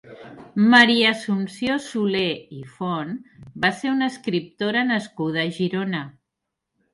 Maria Assumpció Soler i Font va ser una escriptora nascuda a Girona.